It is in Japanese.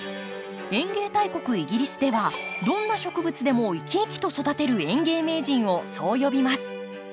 園芸大国イギリスではどんな植物でも生き生きと育てる園芸名人をそう呼びます。